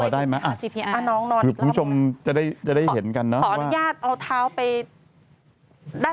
ได้เผออาสารจะเป็นในกรณีอื่น